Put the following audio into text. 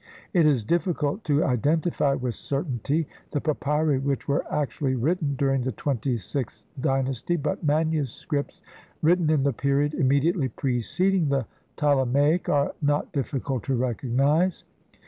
It is difficult to identify with certainty the papyri which were actually written during the twenty sixth dynasty, but MSS. written in the period immediately preceding the Ptole maic are not difficult to recognize.